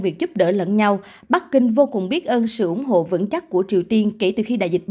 việc giúp đỡ lẫn nhau bắc kinh vô cùng biết ơn sự ủng hộ vững chắc của triều tiên kể từ khi đại dịch